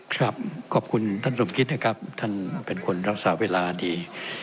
ครับขอบคุณท่านสมคิดนะครับท่านเป็นคนรักษาเวลาดี